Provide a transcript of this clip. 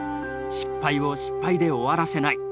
失敗を失敗で終わらせない。